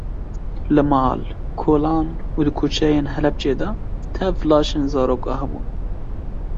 Li mal, kolan û di kuçeyên Helepçê de tev laşên zarok hebûn.